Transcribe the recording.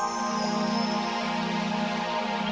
kita adaningar jaringan lah